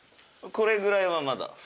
これぐらいはまだ。